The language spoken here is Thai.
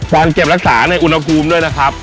เก็บรักษาในอุณหภูมิด้วยนะครับ